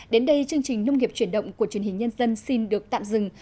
đến đây chương trình nông nghiệp chuyển động của truyền hình nhân dân xin được tạm dừng